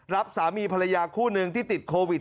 สามีภรรยาคู่หนึ่งที่ติดโควิด